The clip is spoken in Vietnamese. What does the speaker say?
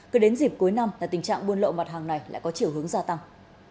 cứ đến dịp cuối năm là tình trạng buôn lậu mặt hàng này lại có chiều hướng gia tăng